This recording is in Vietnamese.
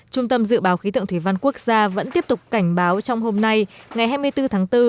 trung tâm dự báo khí tượng thủy văn quốc gia vẫn tiếp tục cảnh báo trong hôm nay ngày hai mươi bốn tháng bốn